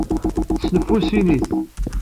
Snefsusin-t.